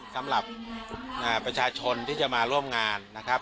สำหรับประชาชนที่จะมาร่วมงานนะครับ